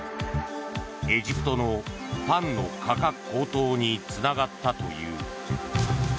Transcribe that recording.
エジプトのパンの価格高騰につながったという。